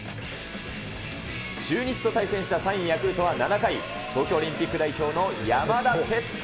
中日と対戦した３位ヤクルトは、７回、東京オリンピック代表の山田哲人。